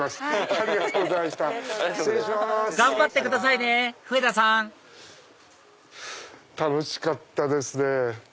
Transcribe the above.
頑張ってくださいね笛田さん！楽しかったですね。